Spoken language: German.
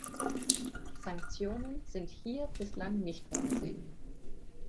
Sanktionen sind hier bislang nicht vorgesehen.